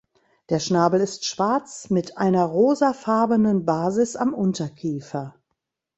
Der Schnabel ist schwarz mit einer rosafarbenen Basis am Unterkiefer.